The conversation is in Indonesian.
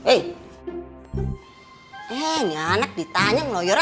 artinya tadi gusto m historia